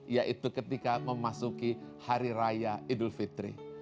yaitu ketika memasuki hari raya idul fitri